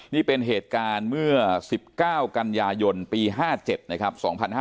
นี่เป็นเหตุการณ์เมื่อ๑๙กันยายนปี๕๗นะครับ